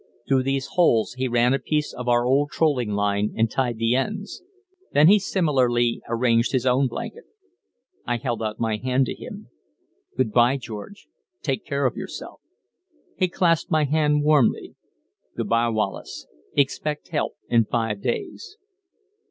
Through these holes he ran a piece of our old trolling line, and tied the ends. Then he similarly arranged his own blanket. I held out my hand to him. "Good bye, George. Take care of yourself." He clasped my hand warmly. "Good bye, Wallace. Expect help in five days."